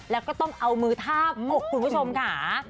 แล้วก็ต้องเอามือทาบอกคุณผู้ชมค่ะ